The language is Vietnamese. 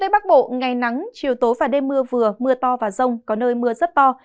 bắc bộ ngày nắng chiều tối và đêm mưa vừa mưa to và rông có nơi mưa rất to